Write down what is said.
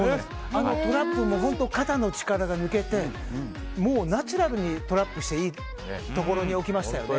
あのトラップも本当に肩の力が抜けてもうナチュラルにトラップしていいところに置きましたよね。